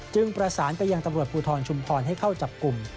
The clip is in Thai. ประสานไปยังตำรวจภูทรชุมพรให้เข้าจับกลุ่ม